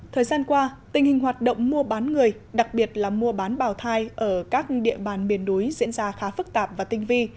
thời gian qua tình hình hoạt động mua bán người đặc biệt là mua bán bào thai ở các địa bàn miền núi diễn ra khá phức tạp và tinh vi